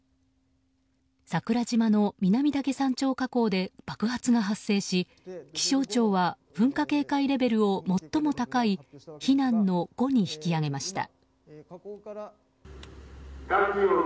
桜島の南岳山頂火口で爆発が発生し気象庁は噴火警戒レベルを最も高い避難の５に引き上げました。